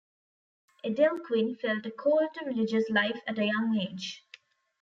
Edel Quinn felt a call to religious life at a young age.